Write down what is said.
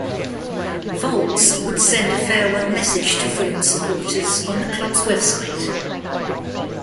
Volz would send a farewell message to Fulham supporters on the club's website.